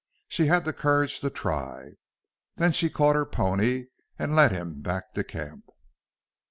She had the courage to try. Then she caught her pony and led him back to camp.